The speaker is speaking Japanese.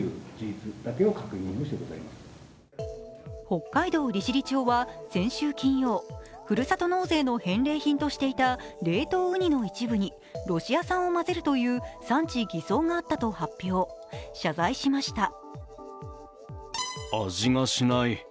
北海道利尻町は先週金曜ふるさと納税の返礼品としていた冷凍うにの一部に、ロシア産を混ぜるという産地偽装があったと発表、謝罪しました。